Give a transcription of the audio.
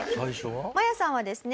マヤさんはですね